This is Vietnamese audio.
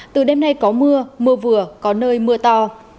từ đêm nay có mưa mưa vừa có nơi mưa to